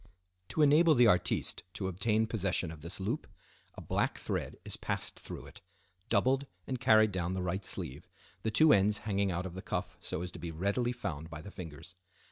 To enable the artiste to obtain possession of this loop, a black thread is passed through it, doubled and carried down the right sleeve, the two ends hanging out of the cuff so as to be readily found by the fingers.